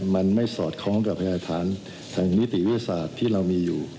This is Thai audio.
มันไม่สอดคล้องกับพยาฐานทางนิติวิทยาศาสตร์ที่เรามีอยู่